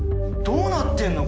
どうなってるの？